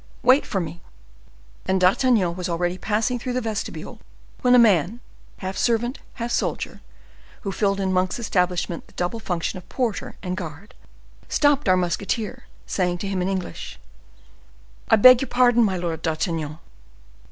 Wait for me." And D'Artagnan was already passing through the vestibule, when a man, half servant, half soldier, who filled in Monk's establishment the double function of porter and guard, stopped our musketeer, saying to him in English: "I beg your pardon, my Lord d'Artagnan!"